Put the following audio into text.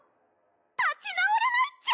立ち直れないっちゃ！